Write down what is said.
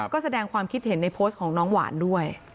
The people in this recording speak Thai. ก็แสดงความคิดเห็นในโพสต์ของน้องหวานด้วย